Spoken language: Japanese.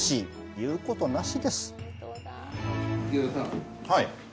言うことなしです。